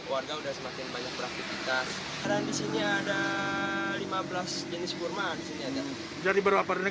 warga udah semakin banyak beraktivitas dan disini ada lima belas jenis kurma disini